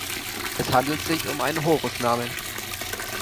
Es handelt sich um einen Horusnamen.